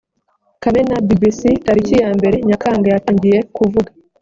kamena bbc tariki ya mbere nyakanga yatangiye kuvuga